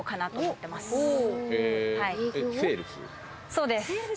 そうです。